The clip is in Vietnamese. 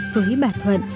với bà thuận